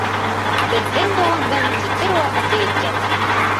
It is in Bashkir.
Беҙҙең быуындың китер ваҡыты еткән.